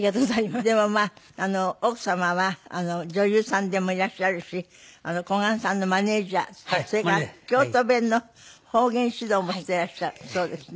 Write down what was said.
でもまあ奥様は女優さんでもいらっしゃるし小雁さんのマネジャーそれから京都弁の方言指導もしていらっしゃるそうですね。